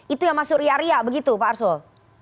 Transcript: itu yang masuk riak riak begitu pak arsul